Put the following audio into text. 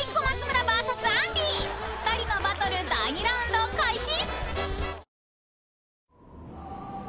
［２人のバトル第２ラウンド開始⁉］